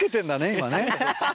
今ね。